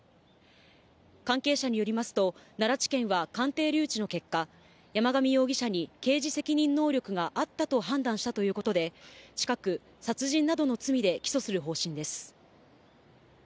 関係者によりますと、奈良地検は鑑定留置の結果、山上容疑者に刑事責任能力があったと判断したということで、近く、殺人などの罪で起訴する方針です。